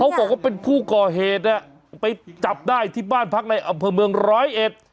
บอกว่าเป็นผู้ก่อเหตุเนี่ยไปจับได้ที่บ้านพักในอำเภอเมืองร้อยเอ็ด